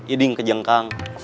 iding ke jengkang